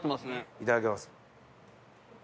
いただきます。